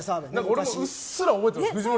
俺も、うっすら覚えてます。